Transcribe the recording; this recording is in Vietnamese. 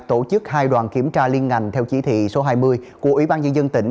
tổ chức hai đoàn kiểm tra liên ngành theo chỉ thị số hai mươi của ủy ban nhân dân tỉnh